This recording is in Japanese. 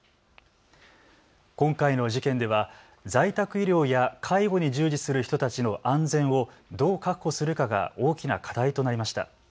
今回の事件では在宅医療や介護に従事する人たちの安全をどう確保するかが大きな課題となりました。